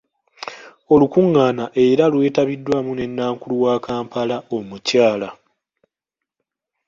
Olukungaana era lwetabiddwamu ne Nankulu wa Kampala, Omukyala.